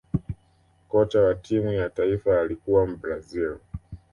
kocha wa timu ya taifa alikuwa mbrazil